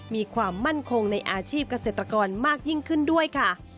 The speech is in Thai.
มีความมั่นคงในอาชีพเกษตรกรมากยิ่งขึ้นด้วยค่ะ